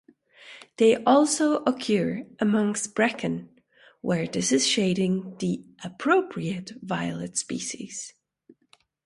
They also occur amongst bracken, where this is shading the appropriate violet species.